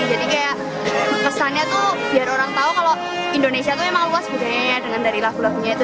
jadi kayak kesannya tuh biar orang tahu kalau indonesia tuh emang luas budaya nya dengan dari lagu lagunya itu